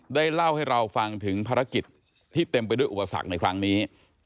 ได้เล่าให้เราฟังถึงภารกิจที่เต็มไปด้วยอุปสรรคในครั้งนี้